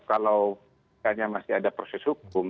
kalau misalnya masih ada proses hukum